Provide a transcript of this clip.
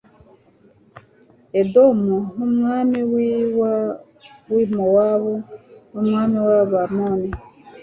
edomu n umwami w i mowabu n umwami w abamoni